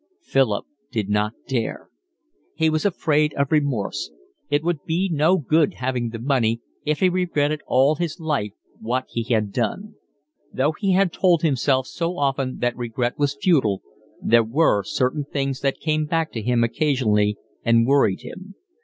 Philip did not dare. He was afraid of remorse; it would be no good having the money if he regretted all his life what he had done. Though he had told himself so often that regret was futile, there were certain things that came back to him occasionally and worried him.